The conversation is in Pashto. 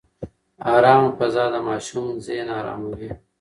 ارامه فضا د ماشوم ذهن اراموي.